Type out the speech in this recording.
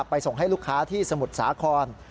ส่งให้ลูกค้าที่สมุทรสาคร